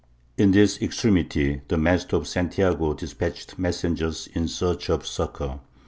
"In this extremity the Master of Santiago despatched messengers in search of succour.